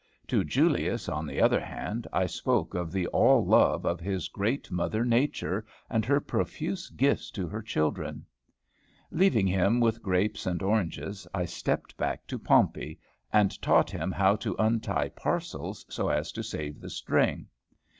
To Julius, on the other hand, I spoke of the All love of his great Mother Nature, and her profuse gifts to her children. Leaving him with grapes and oranges, I stepped back to Pompey, and taught him how to untie parcels so as to save the string.